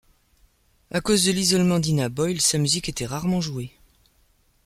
À cause de l’isolement d’Ina Boyle, sa musique était rarement jouée.